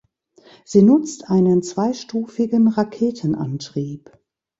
Sie nutzt einen zweistufigen Raketenantrieb.